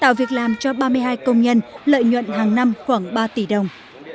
tạo việc làm cho ba mươi hai công nhân lợi nhuận hàng năm khoảng ba tỷ đồng